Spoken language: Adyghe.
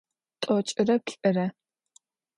T'oç'ıre plh'ıre.